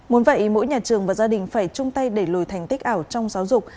muốn vậy mỗi nhà trường và gia đình phải chung tay đẩy lùi thành tích ảo trong giáo dục